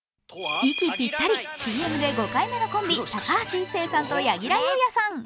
粋ピッタリ、ＣＭで５回目のコンビ、高橋一生さんと柳楽優弥さん。